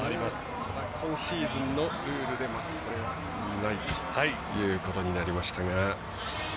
ただ、今シーズンのルールで、それはないということになりましたが。